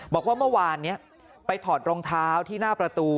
บอกว่าเมื่อวานนี้ไปถอดรองเท้าที่หน้าประตู